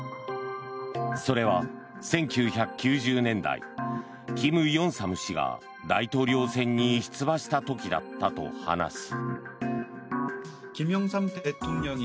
それは１９９０年代、金泳三氏が大統領選に出馬した時だったと話す。